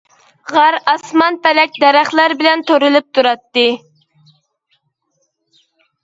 غار ئاسمان پەلەك دەرەخلەر بىلەن تورىلىپ تۇراتتى.